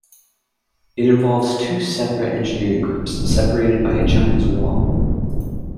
It involves two separate engineering groups separated by a Chinese wall.